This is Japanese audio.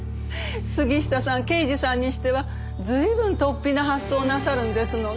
杉下さん刑事さんにしては随分突飛な発想をなさるんですのね。